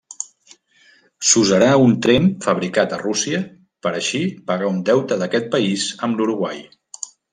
S'usarà un tren fabricat a Rússia per així pagar un deute d'aquest país amb l'Uruguai.